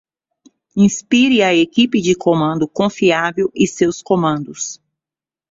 Inspire a equipe de comando confiável e seus comandos.